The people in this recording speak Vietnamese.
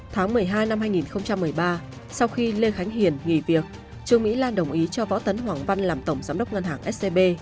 tháng một mươi hai năm hai nghìn một mươi ba sau khi lê khánh hiền nghỉ việc trương mỹ lan đồng ý cho võ tấn hoàng văn làm tổng giám đốc ngân hàng scb